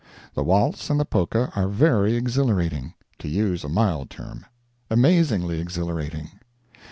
The waltz and the polka are very exhilarating—to use a mild term—amazingly exhilarating.